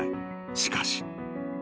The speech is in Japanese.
しかし］